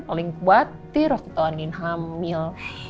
paling kuatir waktu andin hamil